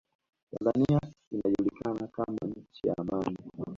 tanzania inajulikana kama nchi ya amani